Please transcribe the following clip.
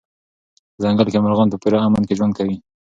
په ځنګل کې مرغان په پوره امن کې ژوند کوي.